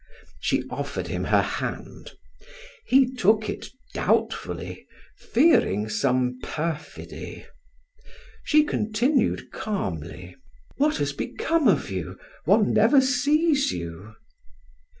She offered him her hand; he took it doubtfully, fearing some perfidy. She continued calmly: "What has become of you? One never sees you!"